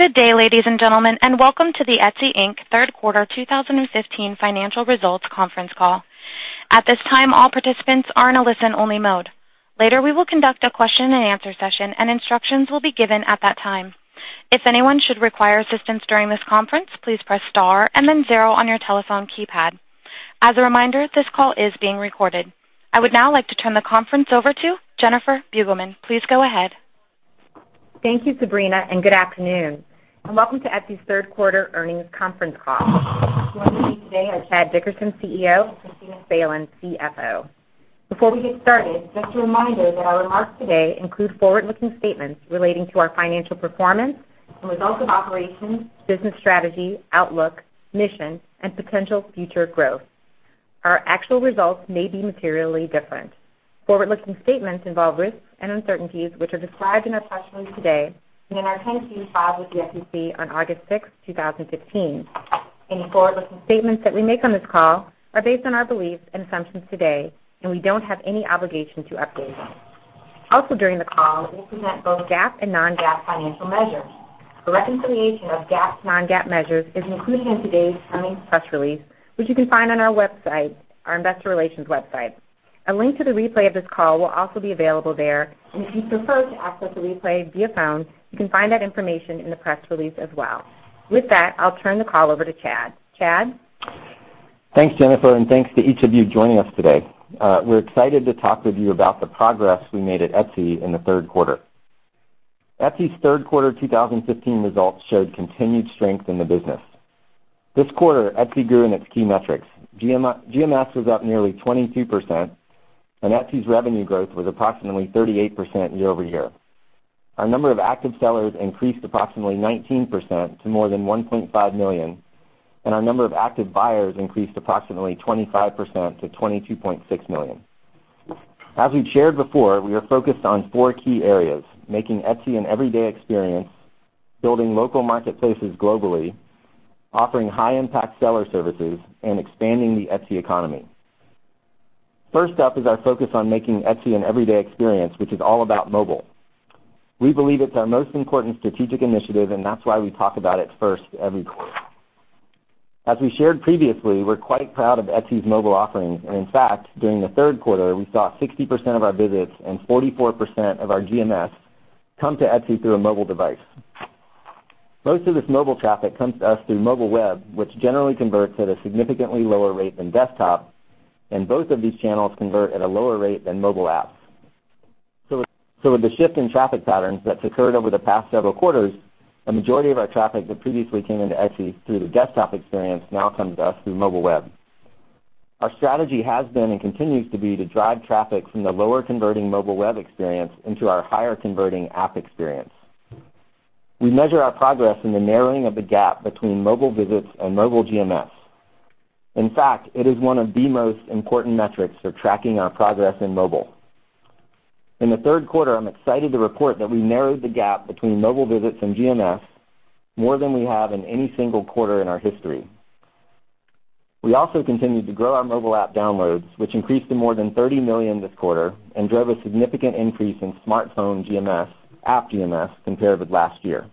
Good day, ladies and gentlemen, and welcome to the Etsy, Inc. third quarter 2015 financial results conference call. At this time, all participants are in a listen-only mode. Later, we will conduct a question and answer session and instructions will be given at that time. If anyone should require assistance during this conference, please press star and then zero on your telephone keypad. As a reminder, this call is being recorded. I would now like to turn the conference over to Jennifer Buley. Please go ahead. Thank you, Sabrina, and good afternoon, and welcome to Etsy's third quarter earnings conference call. Joining me today are Chad Dickerson, CEO, and Kristina Salen, CFO. Before we get started, just a reminder that our remarks today include forward-looking statements relating to our financial performance, the results of operations, business strategy, outlook, mission, and potential future growth. Our actual results may be materially different. Forward-looking statements involve risks and uncertainties, which are described in our press release today and in our 10-Q filed with the SEC on August sixth, 2015. Any forward-looking statements that we make on this call are based on our beliefs and assumptions today, and we don't have any obligation to update them. Also, during the call, we'll present both GAAP and non-GAAP financial measures. A reconciliation of GAAP to non-GAAP measures is included in today's earnings press release, which you can find on our investor relations website. A link to the replay of this call will also be available there, and if you prefer to access the replay via phone, you can find that information in the press release as well. With that, I'll turn the call over to Chad. Chad? Thanks, Jennifer, and thanks to each of you joining us today. We're excited to talk with you about the progress we made at Etsy in the third quarter. Etsy's third quarter 2015 results showed continued strength in the business. This quarter, Etsy grew in its key metrics. GMS was up nearly 22%, and Etsy's revenue growth was approximately 38% year-over-year. Our number of active sellers increased approximately 19% to more than 1.5 million, and our number of active buyers increased approximately 25% to 22.6 million. As we've shared before, we are focused on four key areas: making Etsy an everyday experience, building local marketplaces globally, offering high impact seller services, and expanding the Etsy economy. First up is our focus on making Etsy an everyday experience, which is all about mobile. We believe it's our most important strategic initiative, and that's why we talk about it first every quarter. In fact, as we shared previously, we're quite proud of Etsy's mobile offerings. During the third quarter, we saw 60% of our visits and 44% of our GMS come to Etsy through a mobile device. Most of this mobile traffic comes to us through mobile web, which generally converts at a significantly lower rate than desktop, and both of these channels convert at a lower rate than mobile apps. With the shift in traffic patterns that's occurred over the past several quarters, a majority of our traffic that previously came into Etsy through the desktop experience now comes to us through mobile web. Our strategy has been and continues to be to drive traffic from the lower converting mobile web experience into our higher converting app experience. We measure our progress in the narrowing of the gap between mobile visits and mobile GMS. It is one of the most important metrics for tracking our progress in mobile. In the third quarter, I'm excited to report that we narrowed the gap between mobile visits and GMS more than we have in any single quarter in our history. We continued to grow our mobile app downloads, which increased to more than 30 million this quarter and drove a significant increase in smartphone GMS, app GMS, compared with last year.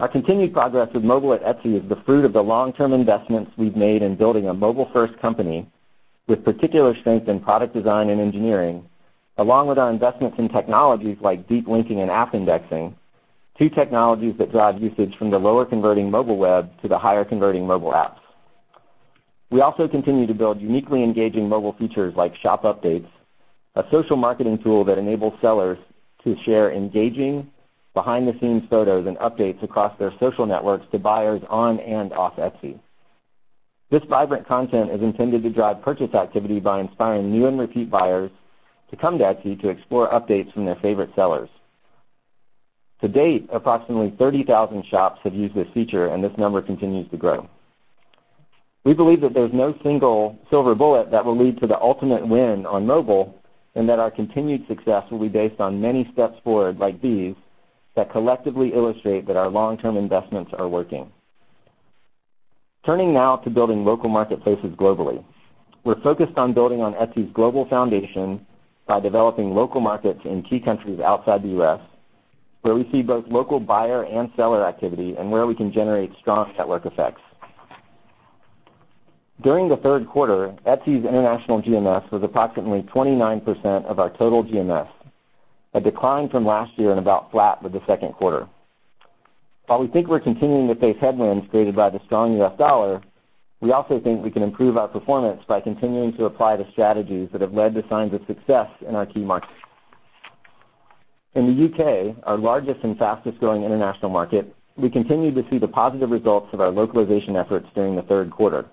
Our continued progress with mobile at Etsy is the fruit of the long-term investments we've made in building a mobile-first company with particular strength in product design and engineering, along with our investments in technologies like deep linking and app indexing, two technologies that drive usage from the lower converting mobile web to the higher converting mobile apps. We continue to build uniquely engaging mobile features like Shop Updates, a social marketing tool that enables sellers to share engaging behind-the-scenes photos and updates across their social networks to buyers on and off Etsy. This vibrant content is intended to drive purchase activity by inspiring new and repeat buyers to come to Etsy to explore updates from their favorite sellers. To date, approximately 30,000 shops have used this feature, and this number continues to grow. We believe that there's no single silver bullet that will lead to the ultimate win on mobile and that our continued success will be based on many steps forward like these that collectively illustrate that our long-term investments are working. Turning now to building local marketplaces globally. We're focused on building on Etsy's global foundation by developing local markets in key countries outside the U.S., where we see both local buyer and seller activity and where we can generate strong network effects. During the third quarter, Etsy's international GMS was approximately 29% of our total GMS, a decline from last year and about flat with the second quarter. We think we're continuing to face headwinds created by the strong U.S. dollar, we also think we can improve our performance by continuing to apply the strategies that have led to signs of success in our key markets. In the U.K., our largest and fastest-growing international market, we continue to see the positive results of our localization efforts during the third quarter.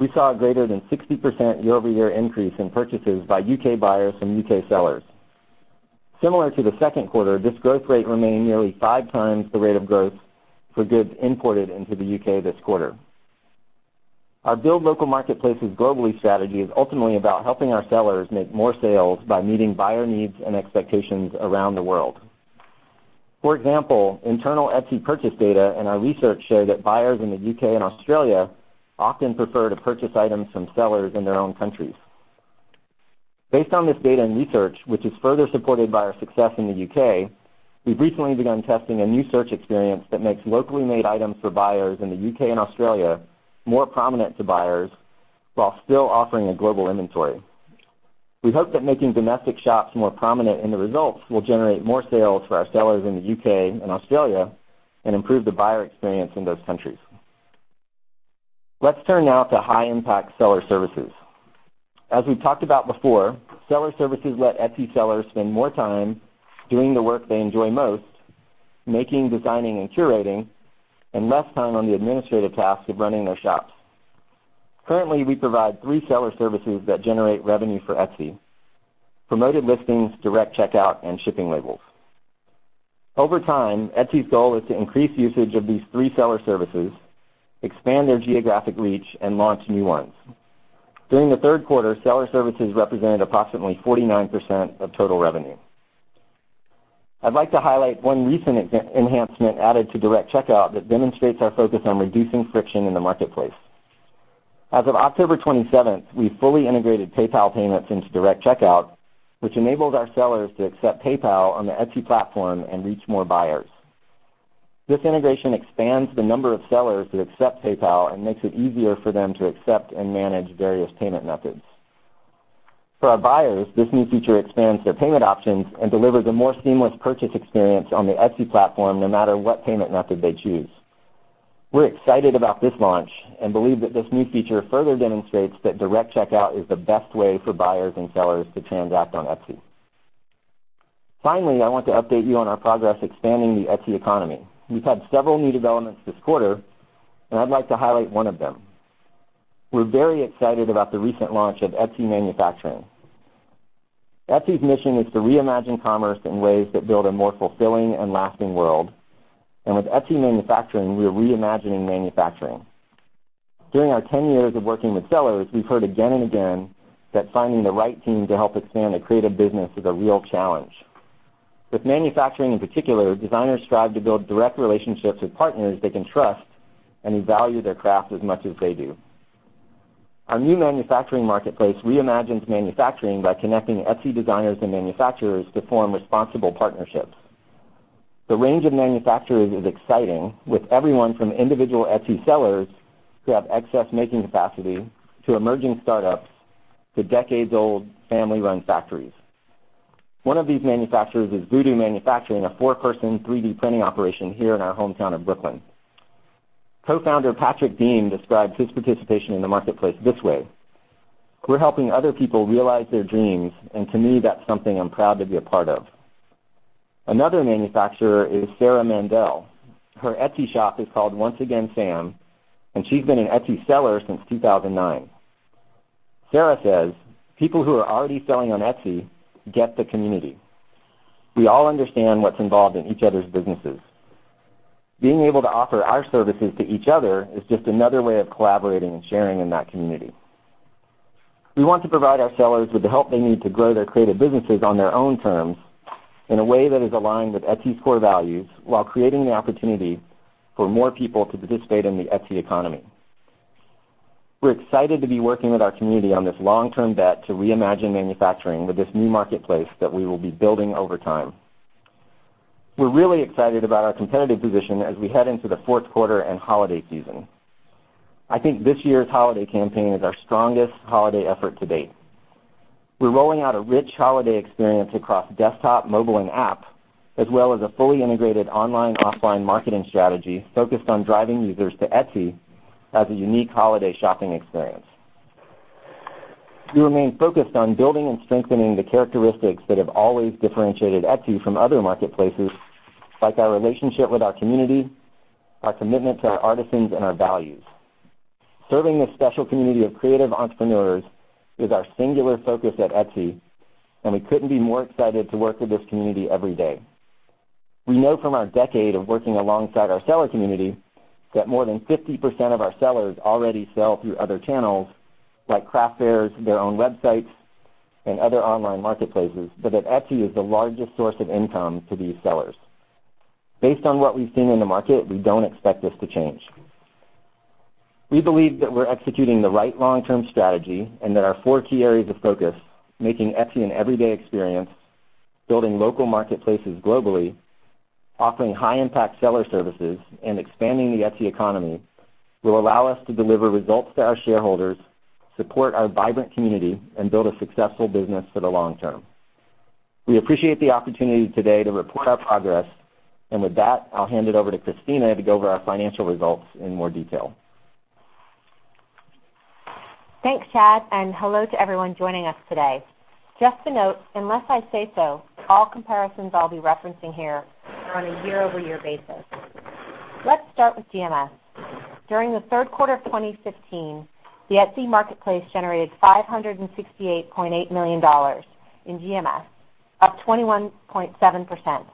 We saw a greater than 60% year-over-year increase in purchases by U.K. buyers from U.K. sellers. Similar to the second quarter, this growth rate remained nearly five times the rate of growth for goods imported into the U.K. this quarter. Our build local marketplaces globally strategy is ultimately about helping our sellers make more sales by meeting buyer needs and expectations around the world. For example, internal Etsy purchase data and our research show that buyers in the U.K. and Australia often prefer to purchase items from sellers in their own countries. Based on this data and research, which is further supported by our success in the U.K., we've recently begun testing a new search experience that makes locally made items for buyers in the U.K. and Australia more prominent to buyers while still offering a global inventory. We hope that making domestic shops more prominent in the results will generate more sales for our sellers in the U.K. and Australia and improve the buyer experience in those countries. Let's turn now to high impact seller services. As we've talked about before, seller services let Etsy sellers spend more time doing the work they enjoy most, making, designing, and curating, and less time on the administrative tasks of running their shops. Currently, we provide three seller services that generate revenue for Etsy, Promoted Listings, Direct Checkout, and shipping labels. Over time, Etsy's goal is to increase usage of these three seller services, expand their geographic reach, and launch new ones. During the third quarter, seller services represented approximately 49% of total revenue. I'd like to highlight one recent enhancement added to Direct Checkout that demonstrates our focus on reducing friction in the marketplace. As of October 27th, we fully integrated PayPal payments into Direct Checkout, which enabled our sellers to accept PayPal on the Etsy platform and reach more buyers. This integration expands the number of sellers that accept PayPal and makes it easier for them to accept and manage various payment methods. For our buyers, this new feature expands their payment options and delivers a more seamless purchase experience on the Etsy platform no matter what payment method they choose. We're excited about this launch and believe that this new feature further demonstrates that Direct Checkout is the best way for buyers and sellers to transact on Etsy. Finally, I want to update you on our progress expanding the Etsy economy. We've had several new developments this quarter, and I'd like to highlight one of them. We're very excited about the recent launch of Etsy Manufacturing. Etsy's mission is to reimagine commerce in ways that build a more fulfilling and lasting world. With Etsy Manufacturing, we are reimagining manufacturing. During our 10 years of working with sellers, we've heard again and again that finding the right team to help expand a creative business is a real challenge. With manufacturing in particular, designers strive to build direct relationships with partners they can trust and who value their craft as much as they do. Our new manufacturing marketplace reimagines manufacturing by connecting Etsy designers and manufacturers to form responsible partnerships. The range of manufacturers is exciting, with everyone from individual Etsy sellers who have excess making capacity to emerging startups to decades-old family-run factories. One of these manufacturers is Voodoo Manufacturing, a four-person 3D printing operation here in our hometown of Brooklyn. Co-founder Patrick Dean describes his participation in the marketplace this way: "We're helping other people realize their dreams, and to me, that's something I'm proud to be a part of." Another manufacturer is Sarah Mandell. Her Etsy shop is called Once Again Sam, and she's been an Etsy seller since 2009. Sarah says, "People who are already selling on Etsy get the community. We all understand what's involved in each other's businesses. Being able to offer our services to each other is just another way of collaborating and sharing in that community." We want to provide our sellers with the help they need to grow their creative businesses on their own terms in a way that is aligned with Etsy's core values, while creating the opportunity for more people to participate in the Etsy economy. We're excited to be working with our community on this long-term bet to reimagine manufacturing with this new marketplace that we will be building over time. We're really excited about our competitive position as we head into the fourth quarter and holiday season. I think this year's holiday campaign is our strongest holiday effort to date. We're rolling out a rich holiday experience across desktop, mobile, and app, as well as a fully integrated online and offline marketing strategy focused on driving users to Etsy as a unique holiday shopping experience. We remain focused on building and strengthening the characteristics that have always differentiated Etsy from other marketplaces, like our relationship with our community, our commitment to our artisans, and our values. Serving this special community of creative entrepreneurs is our singular focus at Etsy, and we couldn't be more excited to work with this community every day. We know from our decade of working alongside our seller community that more than 50% of our sellers already sell through other channels like craft fairs, their own websites, and other online marketplaces, but that Etsy is the largest source of income to these sellers. Based on what we've seen in the market, we don't expect this to change. We believe that we're executing the right long-term strategy and that our four key areas of focus, making Etsy an everyday experience, building local marketplaces globally, offering high-impact seller services, and expanding the Etsy economy, will allow us to deliver results to our shareholders, support our vibrant community, and build a successful business for the long term. We appreciate the opportunity today to report our progress, and with that, I'll hand it over to Kristina to go over our financial results in more detail. Thanks, Chad, and hello to everyone joining us today. Just to note, unless I say so, all comparisons I'll be referencing here are on a year-over-year basis. Let's start with GMS. During the third quarter of 2015, the Etsy marketplace generated $568.8 million in GMS, up 21.7%.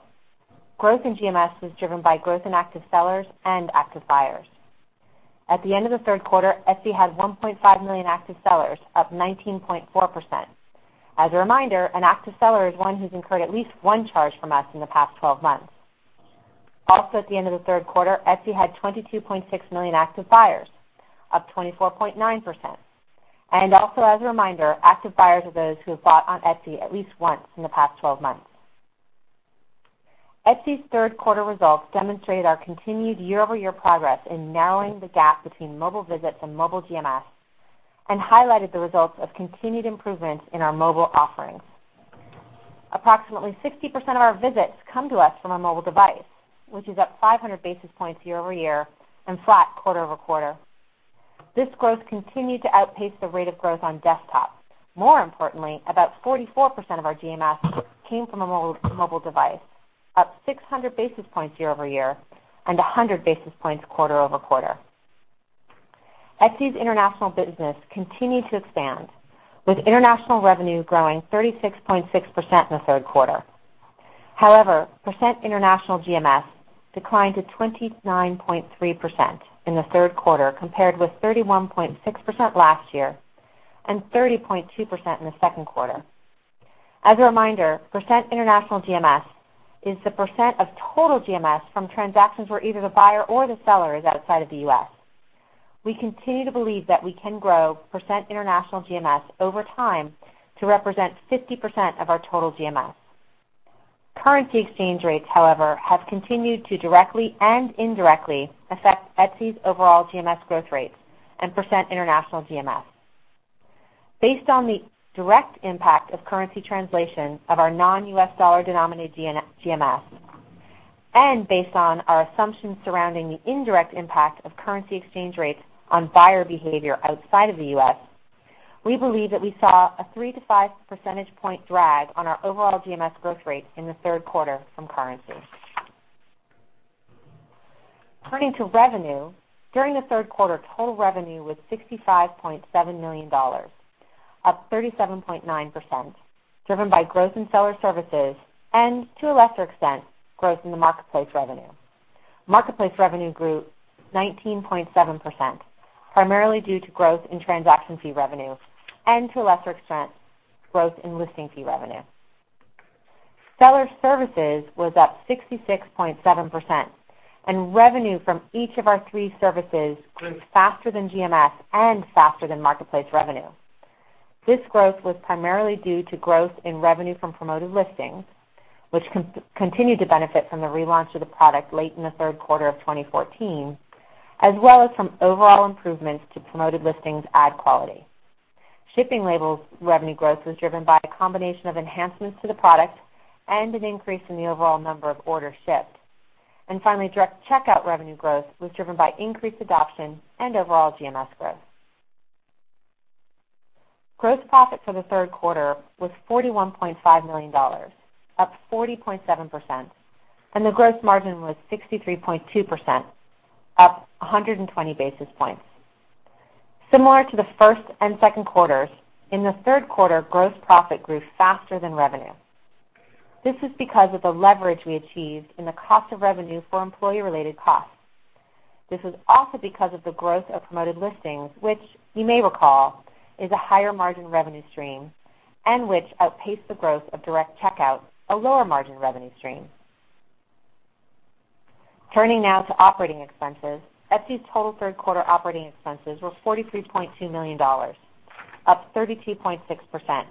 Growth in GMS was driven by growth in active sellers and active buyers. At the end of the third quarter, Etsy had 1.5 million active sellers, up 19.4%. As a reminder, an active seller is one who's incurred at least one charge from us in the past 12 months. Also at the end of the third quarter, Etsy had 22.6 million active buyers, up 24.9%. Also as a reminder, active buyers are those who have bought on Etsy at least once in the past 12 months. Etsy's third quarter results demonstrated our continued year-over-year progress in narrowing the gap between mobile visits and mobile GMS, and highlighted the results of continued improvements in our mobile offerings. Approximately 60% of our visits come to us from a mobile device, which is up 500 basis points year-over-year and flat quarter-over-quarter. This growth continued to outpace the rate of growth on desktop. More importantly, about 44% of our GMS came from a mobile device, up 600 basis points year-over-year and 100 basis points quarter-over-quarter. Etsy's international business continued to expand, with international revenue growing 36.6% in the third quarter. However, percent international GMS declined to 29.3% in the third quarter, compared with 31.6% last year and 30.2% in the second quarter. As a reminder, percent international GMS is the percent of total GMS from transactions where either the buyer or the seller is outside of the U.S. We continue to believe that we can grow percent international GMS over time to represent 50% of our total GMS. Currency exchange rates, however, have continued to directly and indirectly affect Etsy's overall GMS growth rates and percent international GMS. Based on the direct impact of currency translation of our non-U.S. dollar denominated GMS, and based on our assumptions surrounding the indirect impact of currency exchange rates on buyer behavior outside of the U.S., we believe that we saw a three to five percentage point drag on our overall GMS growth rate in the third quarter from currency. Turning to revenue, during the third quarter, total revenue was $65.7 million, up 37.9%, driven by growth in seller services and, to a lesser extent, growth in the marketplace revenue. Marketplace revenue grew 19.7%, primarily due to growth in transaction fee revenue and, to a lesser extent, growth in listing fee revenue. Seller services was up 66.7%. Revenue from each of our three services grew faster than GMS and faster than marketplace revenue. This growth was primarily due to growth in revenue from Promoted Listings, which continued to benefit from the relaunch of the product late in the third quarter of 2014, as well as from overall improvements to Promoted Listings' ad quality. Shipping labels revenue growth was driven by a combination of enhancements to the product and an increase in the overall number of orders shipped. Finally, Direct Checkout revenue growth was driven by increased adoption and overall GMS growth. Gross profit for the third quarter was $41.5 million, up 40.7%, and the gross margin was 63.2%, up 120 basis points. Similar to the first and second quarters, in the third quarter, gross profit grew faster than revenue. This is because of the leverage we achieved in the cost of revenue for employee-related costs. This was also because of the growth of Promoted Listings, which you may recall, is a higher margin revenue stream and which outpaced the growth of Direct Checkout, a lower margin revenue stream. Turning now to operating expenses, Etsy's total third quarter operating expenses were $43.2 million, up 32.6%.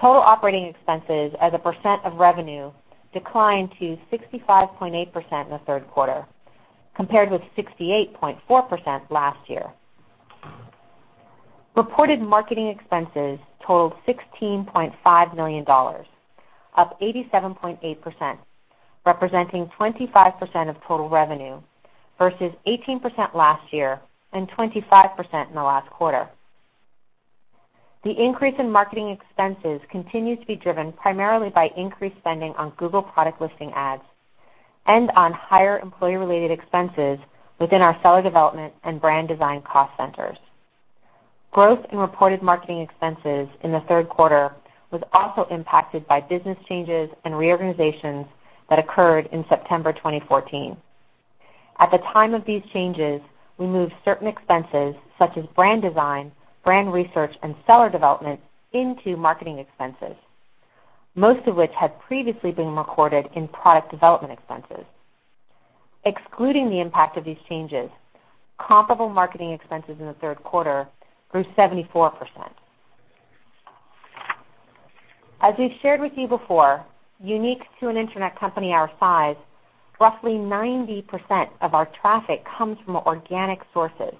Total operating expenses as a percent of revenue declined to 65.8% in the third quarter, compared with 68.4% last year. Reported marketing expenses totaled $16.5 million, up 87.8%, representing 25% of total revenue, versus 18% last year and 25% in the last quarter. The increase in marketing expenses continues to be driven primarily by increased spending on Google Product Listing Ads and on higher employee-related expenses within our seller development and brand design cost centers. Growth in reported marketing expenses in the third quarter was also impacted by business changes and reorganizations that occurred in September 2014. At the time of these changes, we moved certain expenses, such as brand design, brand research, and seller development, into marketing expenses, most of which had previously been recorded in product development expenses. Excluding the impact of these changes, comparable marketing expenses in the third quarter grew 74%. As we've shared with you before, unique to an internet company our size, roughly 90% of our traffic comes from organic sources.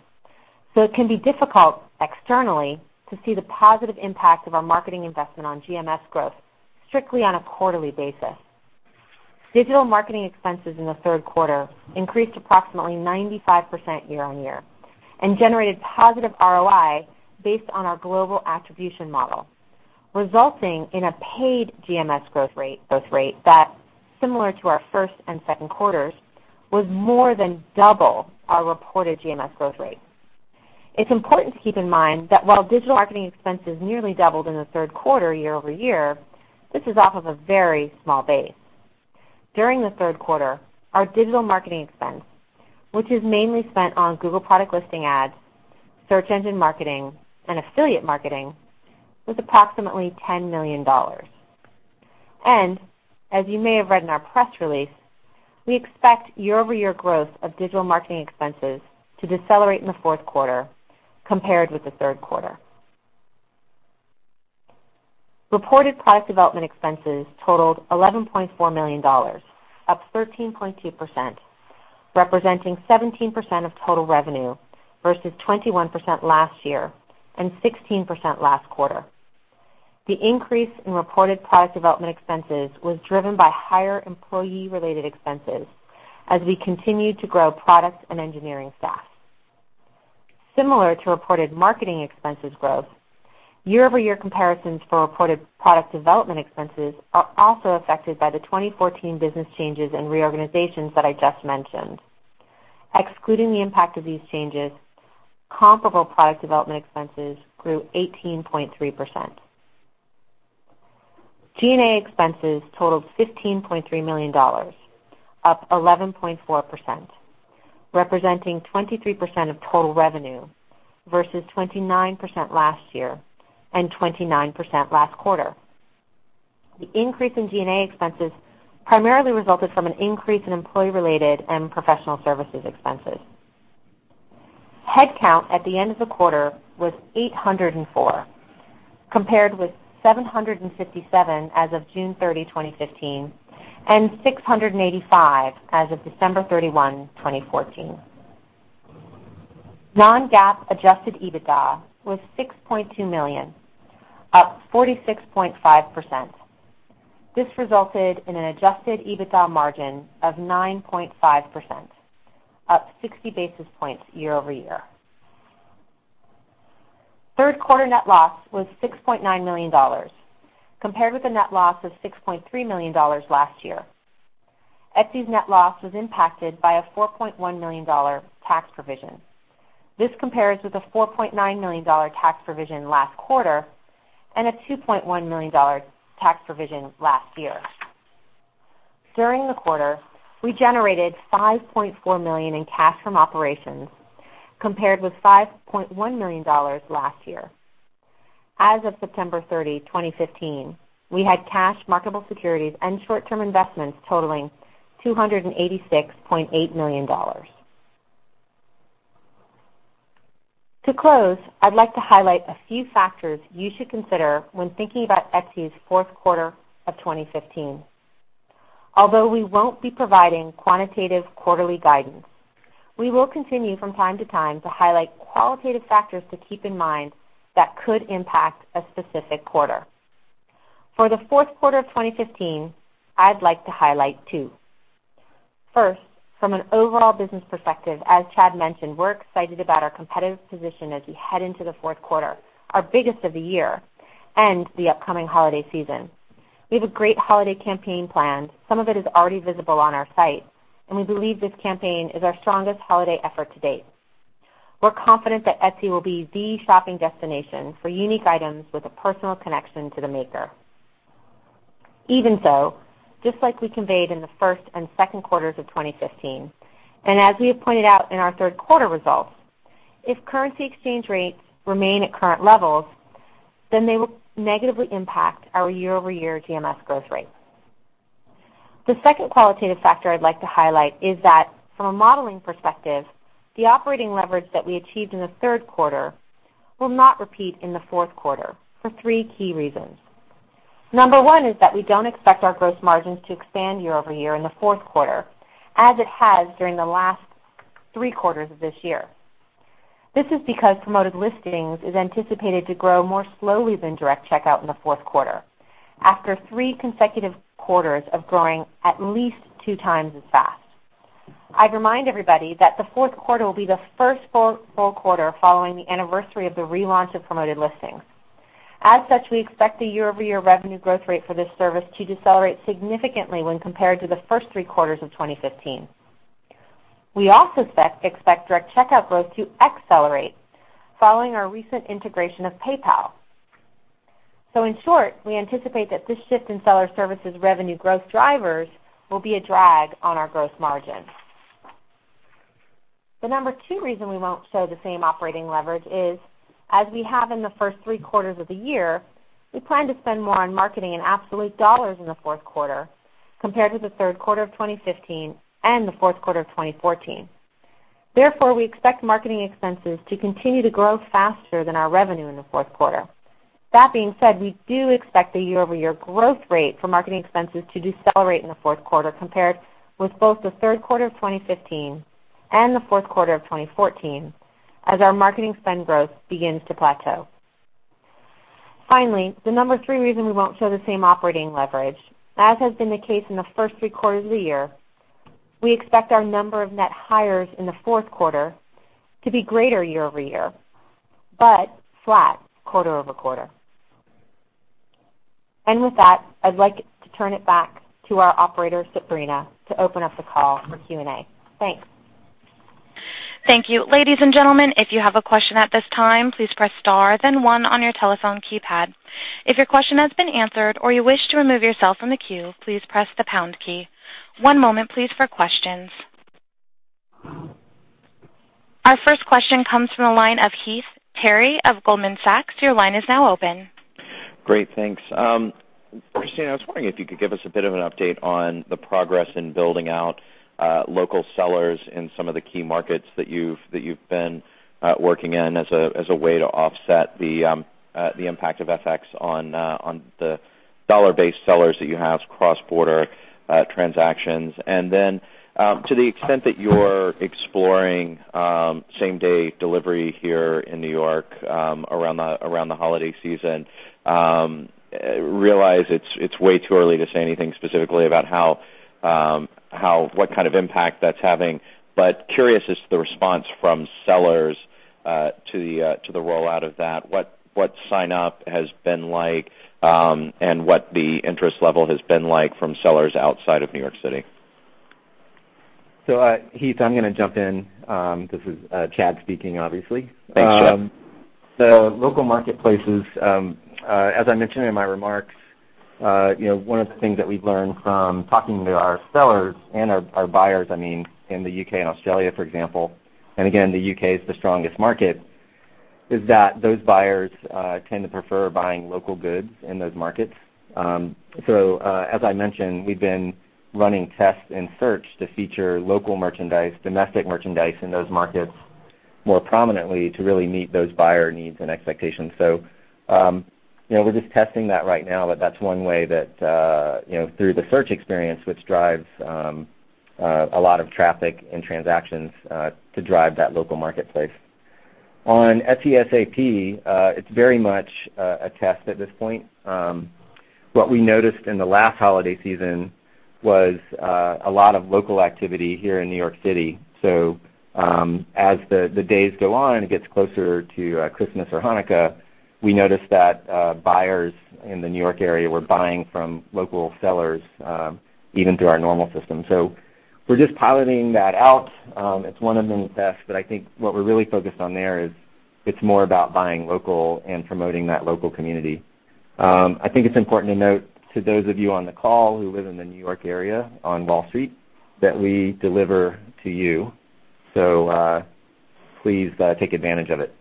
It can be difficult externally to see the positive impact of our marketing investment on GMS growth strictly on a quarterly basis. Digital marketing expenses in the third quarter increased approximately 95% year-on-year and generated positive ROI based on our global attribution model, resulting in a paid GMS growth rate that, similar to our first and second quarters, was more than double our reported GMS growth rate. It's important to keep in mind that while digital marketing expenses nearly doubled in the third quarter year-over-year, this is off of a very small base. During the third quarter, our digital marketing expense, which is mainly spent on Google Product Listing Ads, search engine marketing, and affiliate marketing, was approximately $10 million. As you may have read in our press release, we expect year-over-year growth of digital marketing expenses to decelerate in the fourth quarter compared with the third quarter. Reported product development expenses totaled $11.4 million, up 13.2%, representing 17% of total revenue versus 21% last year and 16% last quarter. The increase in reported product development expenses was driven by higher employee-related expenses as we continued to grow product and engineering staff. Similar to reported marketing expenses growth, year-over-year comparisons for reported product development expenses are also affected by the 2014 business changes and reorganizations that I just mentioned. Excluding the impact of these changes, comparable product development expenses grew 18.3%. G&A expenses totaled $15.3 million, up 11.4%, representing 23% of total revenue versus 29% last year and 29% last quarter. The increase in G&A expenses primarily resulted from an increase in employee-related and professional services expenses. Headcount at the end of the quarter was 804, compared with 757 as of June 30, 2015, and 685 as of December 31, 2014. Non-GAAP adjusted EBITDA was $6.2 million, up 46.5%. This resulted in an adjusted EBITDA margin of 9.5%, up 60 basis points year-over-year. Third quarter net loss was $6.9 million, compared with a net loss of $6.3 million last year. Etsy's net loss was impacted by a $4.1 million tax provision. This compares with a $4.9 million tax provision last quarter and a $2.1 million tax provision last year. During the quarter, we generated $5.4 million in cash from operations, compared with $5.1 million last year. As of September 30, 2015, we had cash, marketable securities, and short-term investments totaling $286.8 million. To close, I'd like to highlight a few factors you should consider when thinking about Etsy's fourth quarter of 2015. Although we won't be providing quantitative quarterly guidance, we will continue from time to time to highlight qualitative factors to keep in mind that could impact a specific quarter. For the fourth quarter of 2015, I'd like to highlight two. First, from an overall business perspective, as Chad mentioned, we're excited about our competitive position as we head into the fourth quarter, our biggest of the year, and the upcoming holiday season. We have a great holiday campaign planned. Some of it is already visible on our site, and we believe this campaign is our strongest holiday effort to date. We're confident that Etsy will be the shopping destination for unique items with a personal connection to the maker. Just like we conveyed in the first and second quarters of 2015, and as we have pointed out in our third quarter results, if currency exchange rates remain at current levels, then they will negatively impact our year-over-year GMS growth rate. The second qualitative factor I'd like to highlight is that from a modeling perspective, the operating leverage that we achieved in the third quarter will not repeat in the fourth quarter for three key reasons. Number one is that we don't expect our gross margins to expand year-over-year in the fourth quarter, as it has during the last three quarters of this year. This is because Promoted Listings is anticipated to grow more slowly than Direct Checkout in the fourth quarter after three consecutive quarters of growing at least two times as fast. I'd remind everybody that the fourth quarter will be the first full quarter following the anniversary of the relaunch of Promoted Listings. We expect the year-over-year revenue growth rate for this service to decelerate significantly when compared to the first three quarters of 2015. We also expect Direct Checkout growth to accelerate following our recent integration of PayPal. In short, we anticipate that this shift in Seller Services revenue growth drivers will be a drag on our gross margin. The number two reason we won't show the same operating leverage is, as we have in the first three quarters of the year, we plan to spend more on marketing in absolute dollars in the fourth quarter compared to the third quarter of 2015 and the fourth quarter of 2014. We expect marketing expenses to continue to grow faster than our revenue in the fourth quarter. That being said, we do expect the year-over-year growth rate for marketing expenses to decelerate in the fourth quarter compared with both the third quarter of 2015 and the fourth quarter of 2014 as our marketing spend growth begins to plateau. Finally, the number 3 reason we won't show the same operating leverage, as has been the case in the first 3 quarters of the year, we expect our number of net hires in the fourth quarter to be greater year-over-year but flat quarter-over-quarter. With that, I'd like to turn it back to our operator, Sabrina, to open up the call for Q&A. Thanks. Thank you. Ladies and gentlemen, if you have a question at this time, please press star then 1 on your telephone keypad. If your question has been answered or you wish to remove yourself from the queue, please press the pound key. One moment, please, for questions. Our first question comes from the line of Heath Terry of Goldman Sachs. Your line is now open. Great. Thanks. Kristina, I was wondering if you could give us a bit of an update on the progress in building out local sellers in some of the key markets that you've been working in as a way to offset the impact of FX on the dollar-based sellers that you have cross-border transactions. Then to the extent that you're exploring same-day delivery here in New York around the holiday season, I realize it's way too early to say anything specifically about what kind of impact that's having, but curious as to the response from sellers to the rollout of that. What sign-up has been like, and what the interest level has been like from sellers outside of New York City. Heath, I'm going to jump in. This is Chad speaking, obviously. Thanks, Chad. Local marketplaces, as I mentioned in my remarks, one of the things that we've learned from talking to our sellers and our buyers, in the U.K. and Australia, for example, and again, the U.K. is the strongest market, is that those buyers tend to prefer buying local goods in those markets. As I mentioned, we've been running tests in search to feature local merchandise, domestic merchandise in those markets more prominently to really meet those buyer needs and expectations. We're just testing that right now, but that's one way that through the search experience, which drives a lot of traffic and transactions to drive that local marketplace. On Etsy ASAP, it's very much a test at this point. What we noticed in the last holiday season was a lot of local activity here in New York City. As the days go on, it gets closer to Christmas or Hanukkah, we noticed that buyers in the New York area were buying from local sellers, even through our normal system. We're just piloting that out. It's one of many tests, but I think what we're really focused on there is it's more about buying local and promoting that local community. I think it's important to note to those of you on the call who live in the New York area on Wall Street that we deliver to you. Please take advantage of it.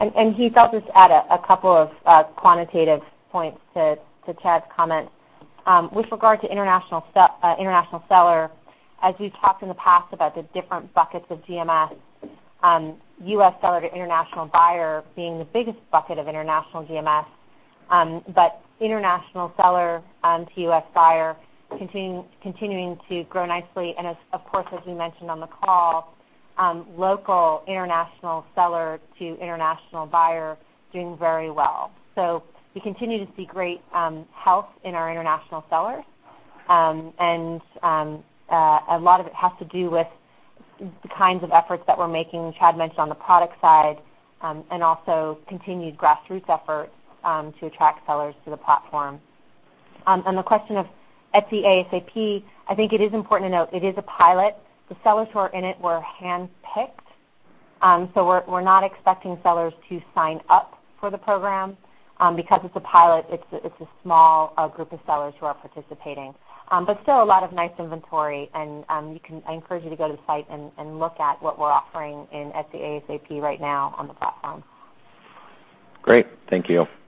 Heath, I'll just add a couple of quantitative points to Chad's comment. With regard to international seller, as we've talked in the past about the different buckets of GMS, U.S. seller to international buyer being the biggest bucket of international GMS, but international seller to U.S. buyer continuing to grow nicely. Of course, as we mentioned on the call, local international seller to international buyer doing very well. We continue to see great health in our international sellers. A lot of it has to do with the kinds of efforts that we're making, Chad mentioned on the product side, and also continued grassroots efforts to attract sellers to the platform. On the question of Etsy ASAP, I think it is important to note it is a pilot. The sellers who are in it were handpicked, so we're not expecting sellers to sign up for the program. It's a pilot, it's a small group of sellers who are participating. Still a lot of nice inventory, and I encourage you to go to the site and look at what we're offering in Etsy ASAP right now on the platform. Great. Thank you. Thank you.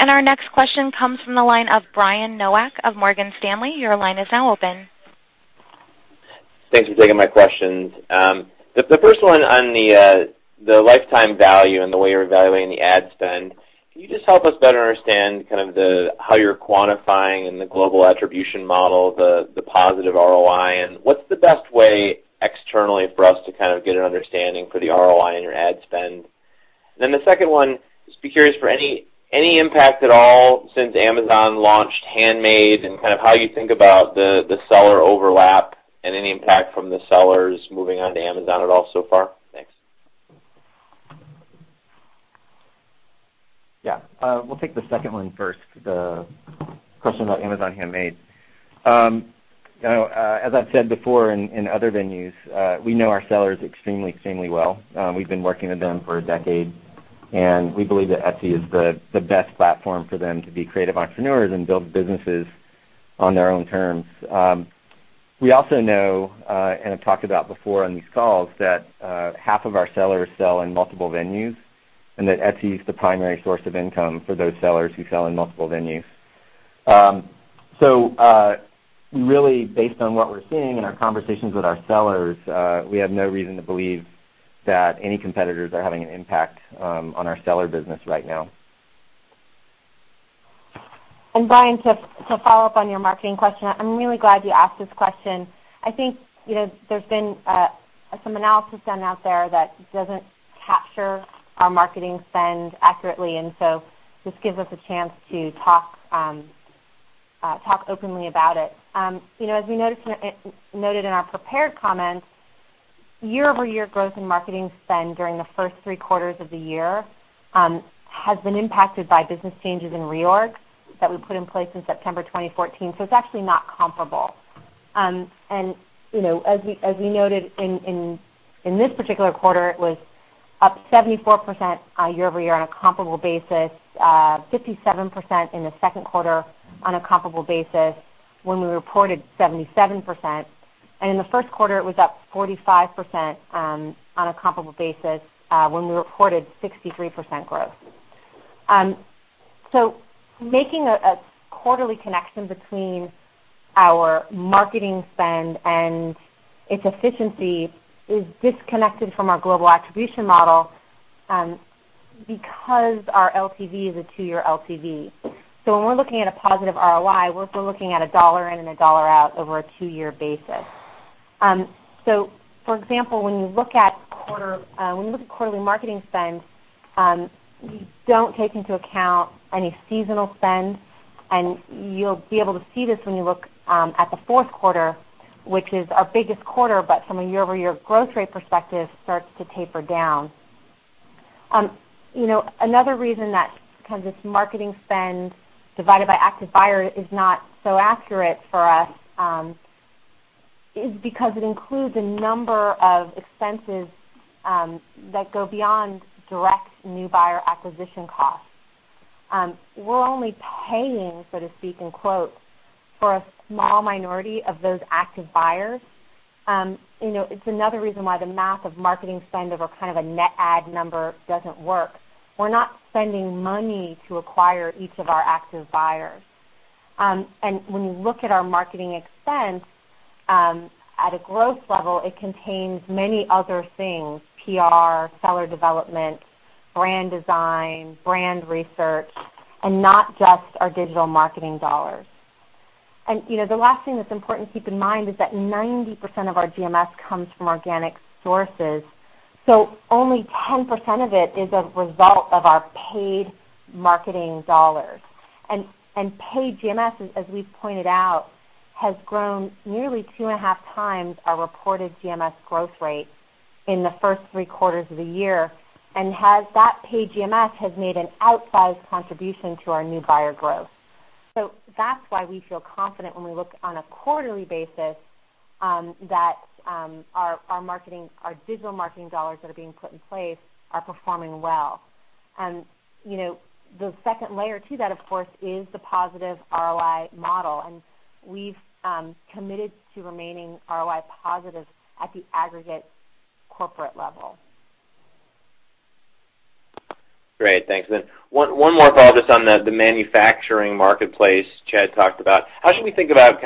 Our next question comes from the line of Brian Nowak of Morgan Stanley. Your line is now open. Thanks for taking my questions. The first one on the lifetime value and the way you're evaluating the ad spend. Can you just help us better understand how you're quantifying in the global attribution model the positive ROI? What's the best way externally for us to get an understanding for the ROI in your ad spend? The second one, just be curious for any impact at all since Amazon launched Handmade and how you think about the seller overlap and any impact from the sellers moving on to Amazon at all so far? Thanks. Yeah. We'll take the second one first, the question about Amazon Handmade. As I've said before in other venues, we know our sellers extremely well. We've been working with them for a decade, and we believe that Etsy is the best platform for them to be creative entrepreneurs and build businesses on their own terms. We also know, and I've talked about before on these calls, that half of our sellers sell in multiple venues and that Etsy is the primary source of income for those sellers who sell in multiple venues. Really based on what we're seeing in our conversations with our sellers, we have no reason to believe that any competitors are having an impact on our seller business right now. Brian, to follow up on your marketing question, I'm really glad you asked this question. I think there's been some analysis done out there that doesn't capture our marketing spend accurately, and so this gives us a chance to talk openly about it. As we noted in our prepared comments, year-over-year growth in marketing spend during the first three quarters of the year has been impacted by business changes in reorgs that we put in place in September 2014. It's actually not comparable. As we noted in this particular quarter, it was up 74% year-over-year on a comparable basis, 57% in the second quarter on a comparable basis when we reported 77%. In the first quarter, it was up 45% on a comparable basis when we reported 63% growth. Making a quarterly connection between our marketing spend and its efficiency is disconnected from our global attribution model because our LTV is a two-year LTV. When we're looking at a positive ROI, we're looking at a dollar in and a dollar out over a two-year basis. For example, when you look at quarterly marketing spend, we don't take into account any seasonal spend, and you'll be able to see this when you look at the fourth quarter, which is our biggest quarter, but from a year-over-year growth rate perspective, starts to taper down. Another reason that this marketing spend divided by active buyer is not so accurate for us is because it includes a number of expenses that go beyond direct new buyer acquisition costs. We're only paying, so to speak, in quotes, for a small minority of those active buyers. It's another reason why the math of marketing spend over a net add number doesn't work. We're not spending money to acquire each of our active buyers. When you look at our marketing expense at a growth level, it contains many other things, PR, seller development, brand design, brand research, and not just our digital marketing dollars. The last thing that's important to keep in mind is that 90% of our GMS comes from organic sources. Only 10% of it is a result of our paid marketing dollars. Paid GMS, as we've pointed out, has grown nearly two and a half times our reported GMS growth rate in the first three quarters of the year, and that paid GMS has made an outsized contribution to our new buyer growth. That's why we feel confident when we look on a quarterly basis that our digital marketing dollars that are being put in place are performing well. The second layer to that, of course, is the positive ROI model, and we've committed to remaining ROI positive at the aggregate corporate level. Great. Thanks. One more thought just on the manufacturing marketplace Chad talked about. How should we think about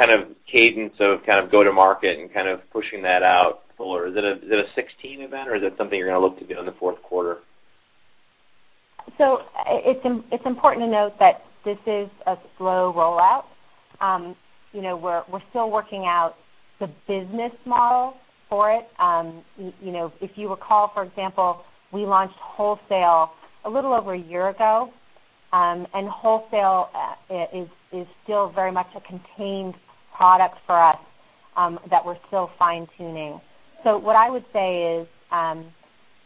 cadence of go to market and pushing that out fuller? Is it a 2016 event or is it something you're going to look to do in the fourth quarter? It's important to note that this is a slow rollout. We're still working out the business model for it. If you recall, for example, we launched wholesale a little over a year ago, and wholesale is still very much a contained product for us that we're still fine-tuning. What I would say is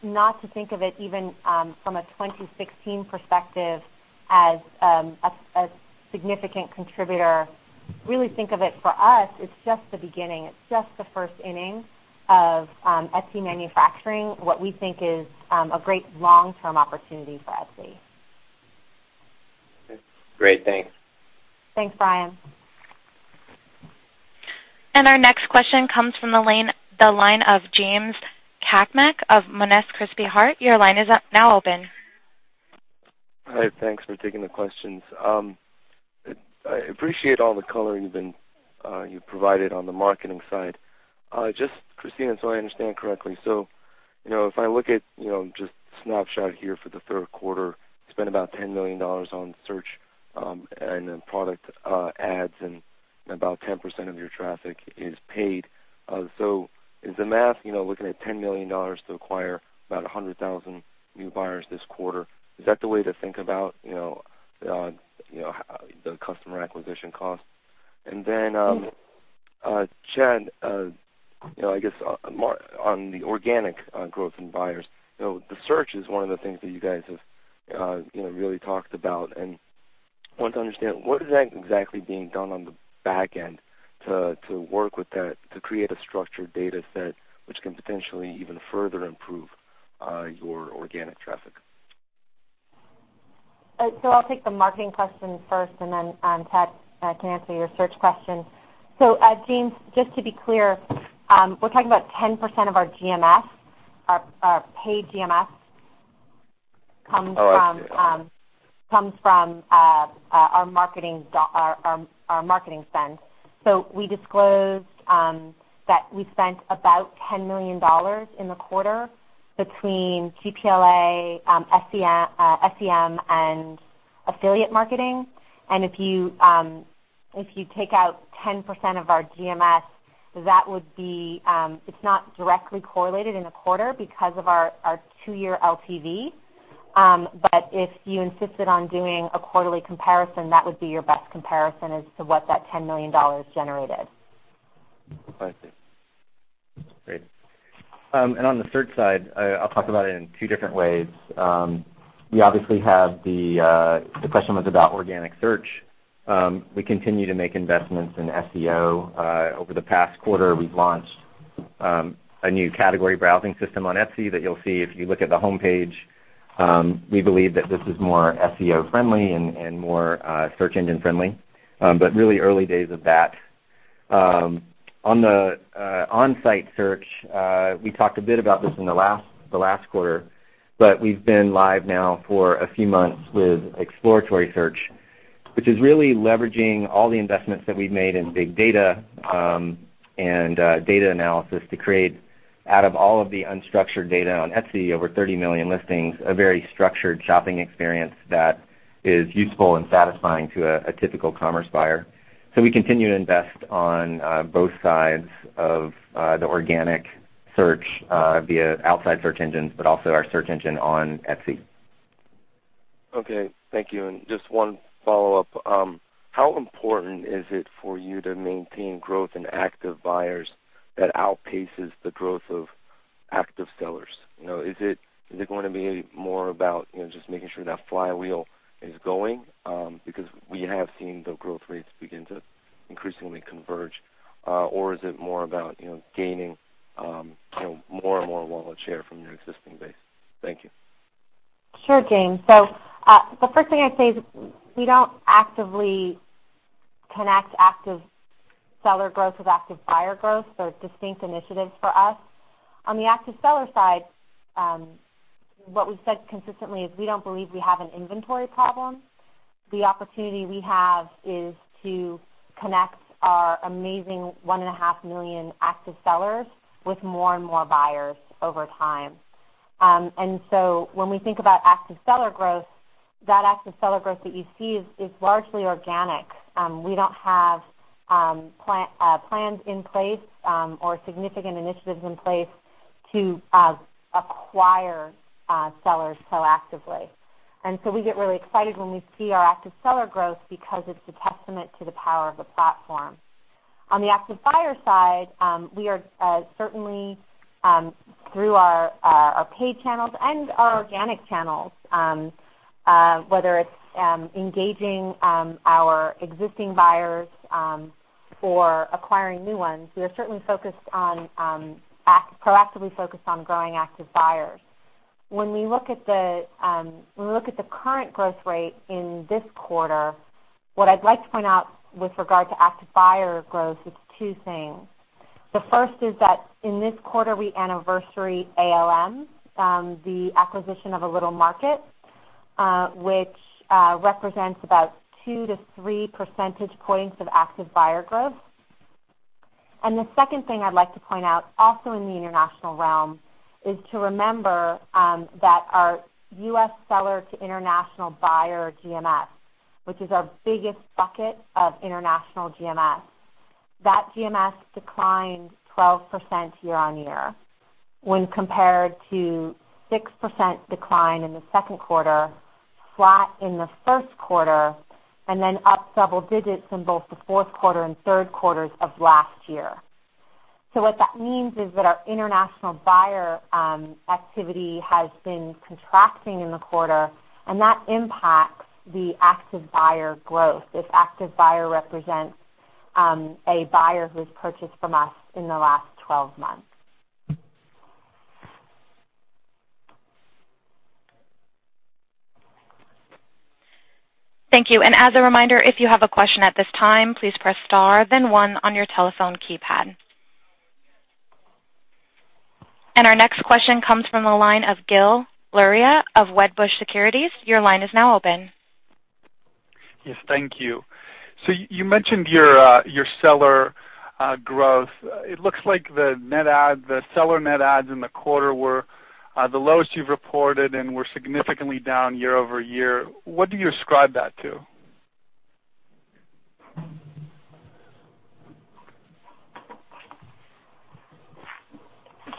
not to think of it even from a 2016 perspective as a significant contributor. Really think of it for us, it's just the beginning. It's just the first inning of Etsy Manufacturing, what we think is a great long-term opportunity for Etsy. Great. Thanks. Thanks, Brian. Our next question comes from the line of James Cakmak of Monness, Crespi, Hardt. Your line is now open. Hi. Thanks for taking the questions. I appreciate all the coloring you've provided on the marketing side. Just, Kristina, so I understand correctly. If I look at just a snapshot here for the third quarter, you spent about $10 million on search and product ads and about 10% of your traffic is paid. Is the math looking at $10 million to acquire about 100,000 new buyers this quarter? Is that the way to think about the customer acquisition cost? Chad, I guess on the organic growth in buyers, the search is one of the things that you guys have really talked about, and I want to understand, what is exactly being done on the back end to work with that to create a structured data set which can potentially even further improve your organic traffic? I'll take the marketing question first, and then Chad can answer your search question. James, just to be clear, we're talking about 10% of our GMS, our paid GMS comes from- Oh, I see comes from our marketing spend. We disclosed that we spent about $10 million in the quarter between PLA, SEM, and affiliate marketing. If you take out 10% of our GMS, it's not directly correlated in a quarter because of our two-year LTV. If you insisted on doing a quarterly comparison, that would be your best comparison as to what that $10 million generated. I see. Great. On the search side, I'll talk about it in two different ways. We obviously have the question was about organic search. We continue to make investments in SEO. Over the past quarter, we've launched a new category browsing system on Etsy that you'll see if you look at the homepage. We believe that this is more SEO friendly and more search engine friendly. Really early days of that. On the on-site search, we talked a bit about this in the last quarter, but we've been live now for a few months with exploratory search, which is really leveraging all the investments that we've made in big data and data analysis to create out of all of the unstructured data on Etsy, over 30 million listings, a very structured shopping experience that is useful and satisfying to a typical commerce buyer. We continue to invest on both sides of the organic search via outside search engines, but also our search engine on Etsy. Okay, thank you. Just one follow-up. How important is it for you to maintain growth in active buyers that outpaces the growth of active sellers? Is it going to be more about just making sure that flywheel is going? We have seen the growth rates begin to increasingly converge. Is it more about gaining more and more wallet share from your existing base? Thank you. Sure, James. The first thing I'd say is we don't actively connect active seller growth with active buyer growth. They're distinct initiatives for us. On the active seller side, what we've said consistently is we don't believe we have an inventory problem. The opportunity we have is to connect our amazing one and a half million active sellers with more and more buyers over time. When we think about active seller growth, that active seller growth that you see is largely organic. We don't have plans in place or significant initiatives in place to acquire sellers proactively. We get really excited when we see our active seller growth because it's a testament to the power of the platform. On the active buyer side, we are certainly through our paid channels and our organic channels, whether it's engaging our existing buyers or acquiring new ones, we are certainly proactively focused on growing active buyers. When we look at the current growth rate in this quarter, what I'd like to point out with regard to active buyer growth is two things. The first is that in this quarter, we anniversary ALM, the acquisition of A Little Market, which represents about two to three percentage points of active buyer growth. The second thing I'd like to point out, also in the international realm, is to remember that our U.S. seller to international buyer GMS, which is our biggest bucket of international GMS. GMS declined 12% year-over-year when compared to 6% decline in the second quarter, flat in the first quarter, up several digits in both the fourth quarter and third quarters of last year. What that means is that our international buyer activity has been contracting in the quarter, and that impacts the active buyer growth if active buyer represents a buyer who's purchased from us in the last 12 months. Thank you. As a reminder, if you have a question at this time, please press star then one on your telephone keypad. Our next question comes from the line of Gil Luria of Wedbush Securities. Your line is now open. Yes, thank you. You mentioned your seller growth. It looks like the seller net adds in the quarter were the lowest you've reported and were significantly down year-over-year. What do you ascribe that to?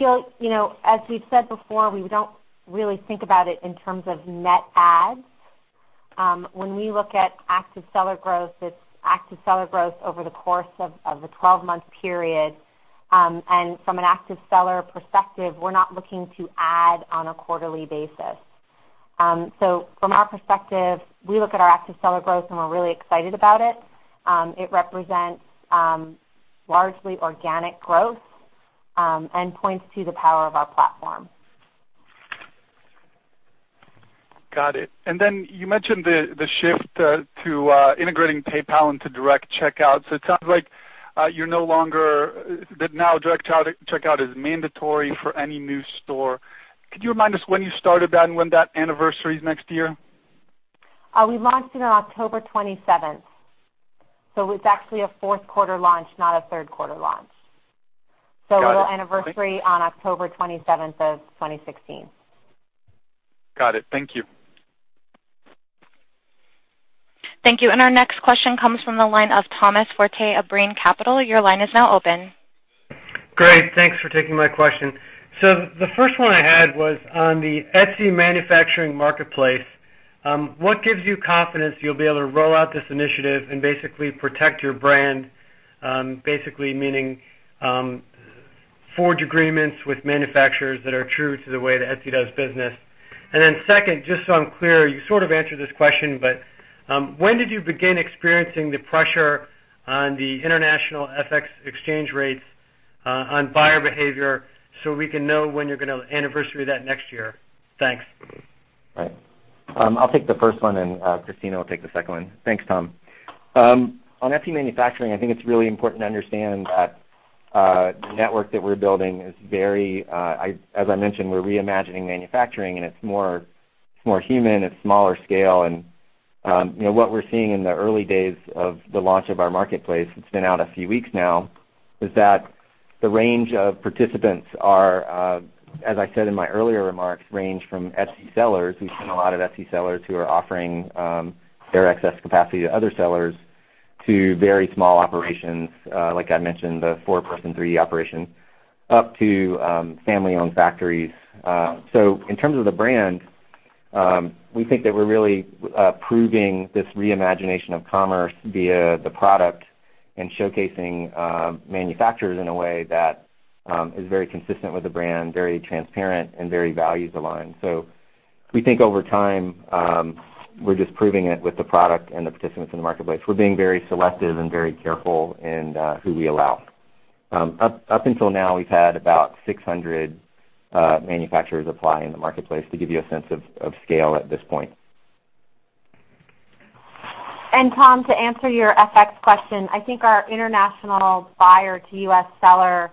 Gil, as we've said before, we don't really think about it in terms of net adds. When we look at active seller growth, it's active seller growth over the course of a 12-month period. From an active seller perspective, we're not looking to add on a quarterly basis. From our perspective, we look at our active seller growth, and we're really excited about it. It represents largely organic growth and points to the power of our platform. Got it. You mentioned the shift to integrating PayPal into Direct Checkout. It sounds like that now Direct Checkout is mandatory for any new store. Could you remind us when you started that and when that anniversary is next year? We launched it on October 27th, it's actually a fourth quarter launch, not a third quarter launch. Got it. It'll anniversary on October 27th of 2016. Got it. Thank you. Thank you. Our next question comes from the line of Thomas Forte of Brean Capital. Your line is now open. Great, thanks for taking my question. The first one I had was on the Etsy Manufacturing marketplace. What gives you confidence you'll be able to roll out this initiative and basically protect your brand? Basically meaning forge agreements with manufacturers that are true to the way that Etsy does business. Second, just so I'm clear, you sort of answered this question, but when did you begin experiencing the pressure on the international FX exchange rates on buyer behavior so we can know when you're going to anniversary that next year? Thanks. Right. I'll take the first one, and Kristina will take the second one. Thanks, Tom. On Etsy Manufacturing, I think it's really important to understand that the network that we're building, as I mentioned, we're reimagining manufacturing, and it's more human, it's smaller scale. What we're seeing in the early days of the launch of our marketplace, it's been out a few weeks now, is that the range of participants are, as I said in my earlier remarks, range from Etsy sellers. We've seen a lot of Etsy sellers who are offering their excess capacity to other sellers to very small operations, like I mentioned, the four-person 3D operation, up to family-owned factories. In terms of the brand, we think that we're really proving this reimagination of commerce via the product and showcasing manufacturers in a way that is very consistent with the brand, very transparent, and very values-aligned. We think over time, we're just proving it with the product and the participants in the marketplace. We're being very selective and very careful in who we allow. Up until now, we've had about 600 manufacturers apply in the marketplace to give you a sense of scale at this point. Tom, to answer your FX question, I think our international buyer-to-U.S. seller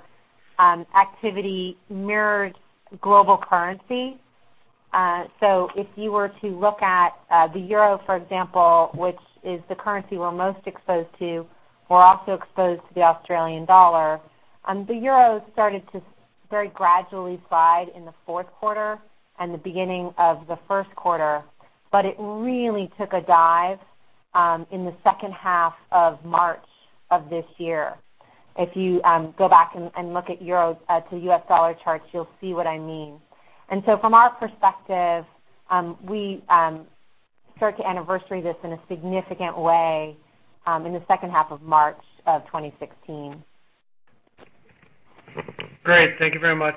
activity mirrored global currency. If you were to look at the EUR, for example, which is the currency we're most exposed to, we're also exposed to the AUD. The EUR started to very gradually slide in the fourth quarter and the beginning of the first quarter, but it really took a dive in the second half of March of this year. If you go back and look at EUR-to-U.S. dollar charts, you'll see what I mean. From our perspective, we start to anniversary this in a significant way in the second half of March of 2016. Great. Thank you very much.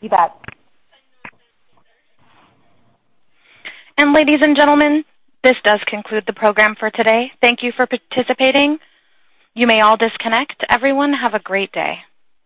You bet. Ladies and gentlemen, this does conclude the program for today. Thank you for participating. You may all disconnect. Everyone, have a great day.